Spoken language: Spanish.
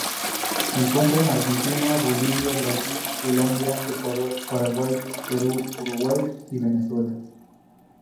Se encuentra en Argentina, Bolivia, Brasil, Colombia, Ecuador, Paraguay, Perú, Uruguay, y Venezuela.